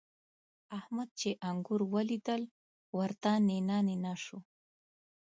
احمد چې انګور وليدل؛ ورته نينه نينه شو.